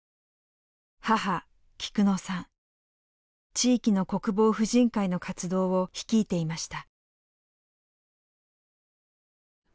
地域の国防婦人会の活動を率いていました。